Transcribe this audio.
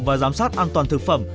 và giám sát an toàn thực phẩm